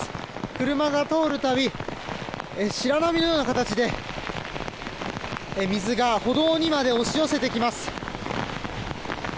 車が通るたび白波のような形で水が歩道にまで押し寄せてきます。